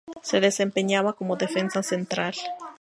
Se desempeñaba como defensa central.